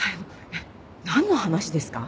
えっ何の話ですか？